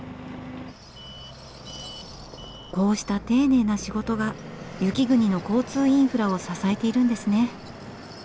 こうした丁寧な仕事が雪国の交通インフラを支えているんですね。